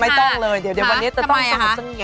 ไม่ต้องเลยเดี๋ยวแต่ต้องเสียงเงียบ